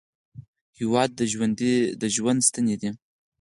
هېواد د ژوند ستنې دي.